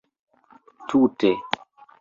Tute.